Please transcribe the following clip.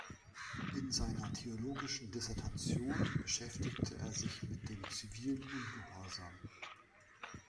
In seiner theologischen Dissertation beschäftigte er sich mit dem zivilen Ungehorsam.